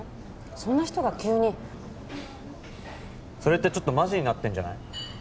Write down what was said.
そんな人が急にそれってちょっとマジになってんじゃない？